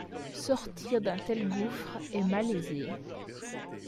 Sortir d’un tel gouffre est malaisé.